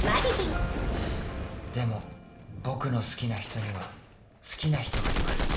でも僕の好きな人には好きな人がいます